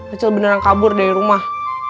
kecil beneran kabur dari rumah